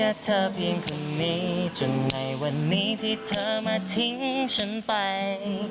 ไม่มีอีกต่อไปกลับเยี่ยงละมุนในแบบที่ฉันไม่เข้าใจ